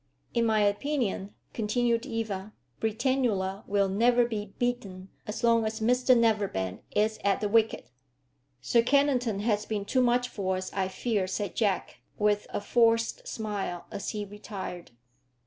"In my opinion," continued Eva, "Britannula will never be beaten as long as Mr Neverbend is at the wicket." "Sir Kennington has been too much for us, I fear," said Jack, with a forced smile, as he retired.